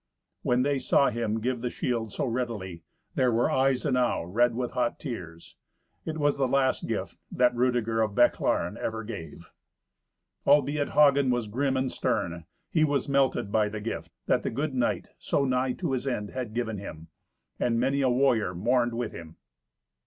When they saw him give the shield so readily, there were eyes enow red with hot tears. It was the last gift that Rudeger of Bechlaren ever gave. Albeit Hagen was grim and stern, he was melted by the gift that the good knight, so nigh to his end, had given him. And many a warrior mourned with him.